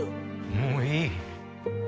もういい。